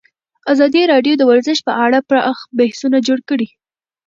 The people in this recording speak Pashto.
ازادي راډیو د ورزش په اړه پراخ بحثونه جوړ کړي.